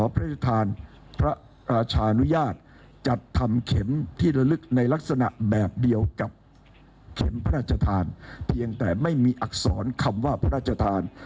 เพียงแต่ไม่มีอักษรคำว่าพระราชทาน